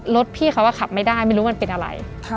รถพี่เขาก็ขับไม่ได้ไม่รู้มันเป็นอะไร